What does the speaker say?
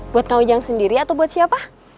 buat kang ujang sendiri atau buat siapa